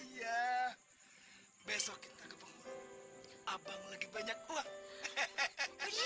iya besok kita ke penghulu